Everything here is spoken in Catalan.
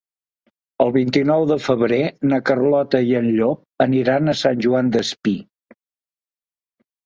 El vint-i-nou de febrer na Carlota i en Llop aniran a Sant Joan Despí.